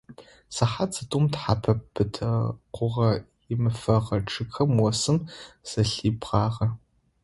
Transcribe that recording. Сыхьат зытӏум тхьэпэ пытэкъугъо имыфэгъэ чъыгхэр осым зэлъибгъагъэ.